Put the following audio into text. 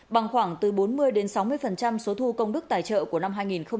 bằng khoảng từ bốn mươi sáu mươi số thu công đức tài trợ của năm hai nghìn một mươi chín